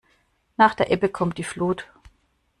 Nach der Ebbe kommt die Flut.